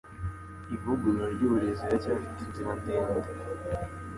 Ivugurura ryuburezi riracyafite inzira ndende.